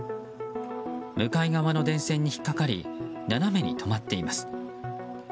向かい側の電線に引っかかり斜めに止まっています。